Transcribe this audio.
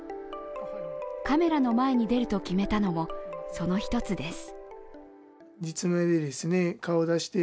カメラの前に出ると決めたのも、その一つです。